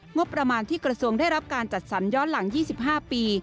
งบประมาณที่กระทรวงได้รับการจัดสรรย้อนหลัง๒๕ปี